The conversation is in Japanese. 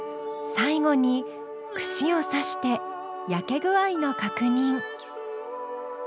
最後に串を刺して焼け具合の確認。